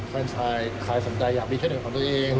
แฟนชายใครสนใจอยากมีแค่เด็กของตัวเอง